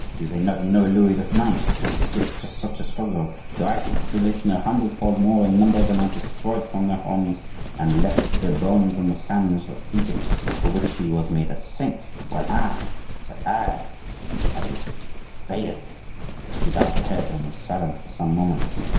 do they not know Louis IX., to escape just such a struggle, dragged a population a hundredfold more in number than I destroyed from their homes and left their bones on the sands of Egypt, for which he was made a saint? while I—But I,' she added, 'failed.' She bowed her head and was silent for some moments.